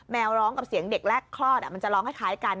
วร้องกับเสียงเด็กแรกคลอดมันจะร้องคล้ายกัน